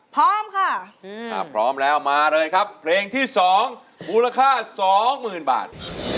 พร้อมค่ะพร้อมแล้วมาเลยครับเพลงที่๒บูรค่า๒หมื่นบาท